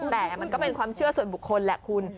แต่มันก็เป็นความเชื่อส่วนบุคคลแหละคุณ